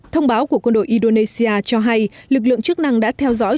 thông báo của quân đội indonesia cho hay lực lượng chức năng đã theo dõi